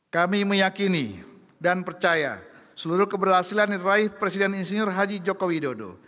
kami meyakini dan percaya seluruh keberhasilan yang diraih presiden insinyur haji joko widodo